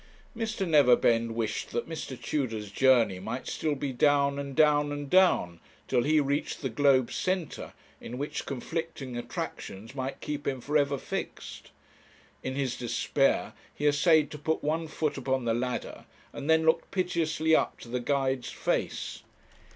Mr. Neverbend wished that Mr. Tudor's journey might still be down, and down, and down, till he reached the globe's centre, in which conflicting attractions might keep him for ever fixed. In his despair he essayed to put one foot upon the ladder, and then looked piteously up to the guide's face.